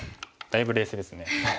だいぶ冷静ですね。